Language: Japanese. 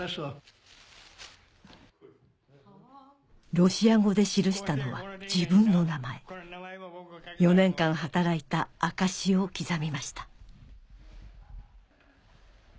ロシア語で記したのは自分の名前４年間働いた証しを刻みました